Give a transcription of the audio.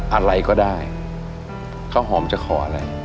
อะไรก็ได้ข้าวหอมจะขออะไร